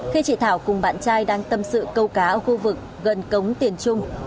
khi chị thảo cùng bạn trai đang tâm sự câu cá ở khu vực gần cống tiền trung